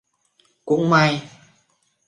Cũng may